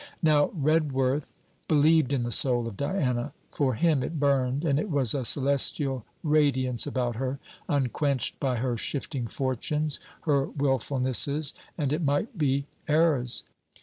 Now Redworth believed in the soul of Diana. For him it burned, and it was a celestial radiance about her, unquenched by her shifting fortunes, her wilfulnesses and, it might be, errors.